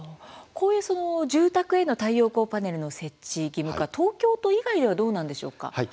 こういう住宅への太陽光パネルの設置義務化東京都以外ではどうなんでしょうか？